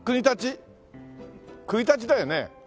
国立だよね？